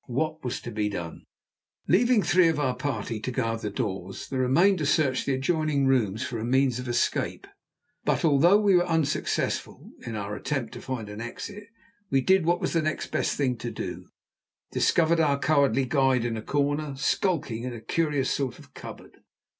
What was to be done? Leaving three of our party to guard the doors, the remainder searched the adjoining rooms for a means of escape; but though we were unsuccessful in our attempt to find an exit, we did what was the next best thing to do, discovered our cowardly guide in a corner, skulking in a curious sort of cupboard.